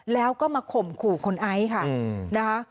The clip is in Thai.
แล้วก็มาข่มขู่คุณไอซ์ค่ะนะคะ